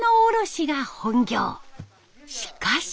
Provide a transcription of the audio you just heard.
しかし。